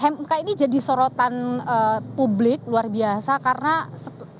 mk ini jadi sorotan publik luar biasa karena sebelumnya ada yang mengatakan bahwa ini adalah